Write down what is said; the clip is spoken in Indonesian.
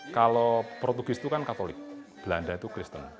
kalau portugis itu kan katolik belanda itu kristen